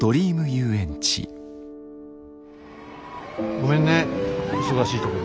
ごめんね忙しいところ。